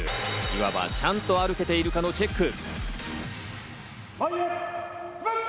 いわばちゃんと歩けているかのチェック。